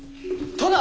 殿！